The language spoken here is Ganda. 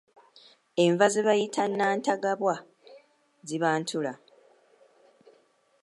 Enva ze bayita nantagabwa ziba ntula.